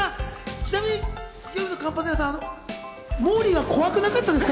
ちなみに水曜日のカンパネラさん、モーリーは怖くなかったですか？